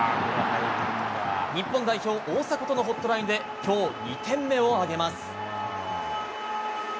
日本代表、大迫とのホットラインで今日２点目を挙げます。